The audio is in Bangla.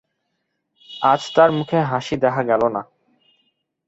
আজ তার মুখে হাসি দেখা গেল না।